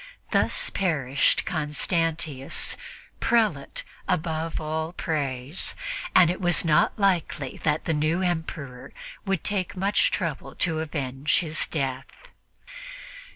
Thus perished Constantius' "prelate above all praise," and it was not likely that the new Emperor would take much trouble to avenge his death.